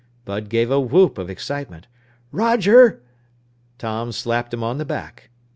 Bud gave a whoop of excitement. "Roger!" Tom slapped him on the back.